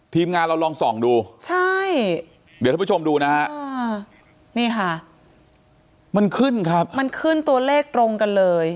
ทีมงานเราลองส่องดูใช่เดี๋ยวท่านผู้ชมดูนะฮะนี่ค่ะมันขึ้นครับมันขึ้นตัวเลขตรงกันเลย